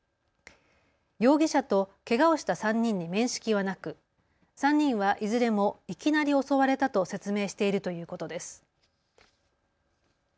容疑者とけがをした３人に面識はなく３人はいずれもいきなり襲われたと説明しているということです。